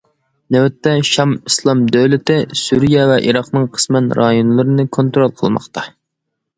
نۆۋەتتە« شام ئىسلام دۆلىتى» سۈرىيە ۋە ئىراقنىڭ قىسمەن رايونلىرىنى كونترول قىلماقتا.